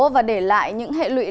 và để lại những hệ lụy